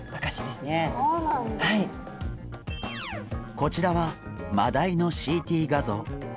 こちらはマダイのＣＴ画像。